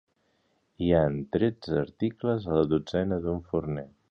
Hi han tretze articles a la dotzena d'un forner.